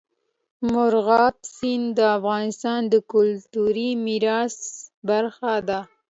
مورغاب سیند د افغانستان د کلتوري میراث برخه ده.